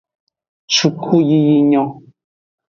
Sukuyiyi nyon.